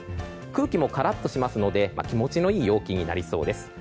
空気もカラッとしますので気持ちのいい陽気になりそうです。